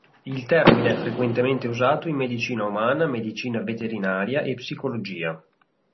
Il termine è frequentemente usato in medicina umana, medicina veterinaria e psicologia.